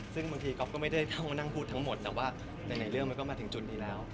ซึ่งบางทีก๊อฟก็ไม่ได้เข้ามานั่งพูดทั้งหมดแต่ว่าในเรื่องมันก็มาถึงจุดนี้แล้ว